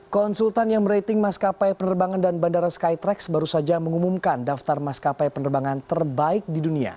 konsultan yang merating maskapai penerbangan dan bandara skytrax baru saja mengumumkan daftar maskapai penerbangan terbaik di dunia